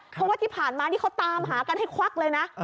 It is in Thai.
เพราะว่าที่ผ่านมานี่เขาตามหากันให้ควักเลยนะ